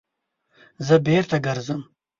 _زه بېرته ګرځم.